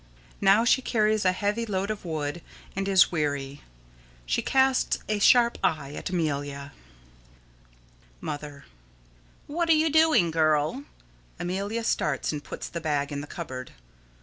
Now she carries a heavy load of wood, and is weary. She casts a sharp eye at Amelia._ Mother: What are you doing, girl? [_Amelia starts and puts the bag in the cupboard.